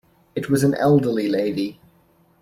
It was an elderly lady.